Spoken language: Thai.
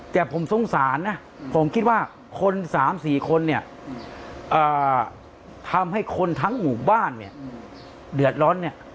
แต่ผมสงสารนะผมคิดว่าคน๓๔คนทำให้คนทั้งหมู่บ้านเดือดร้อน